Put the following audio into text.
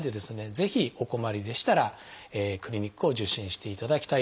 ぜひお困りでしたらクリニックを受診していただきたいと思います。